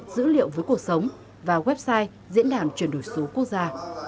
dữ liệu với cuộc sống và website diễn đảm truyền đổi số quốc gia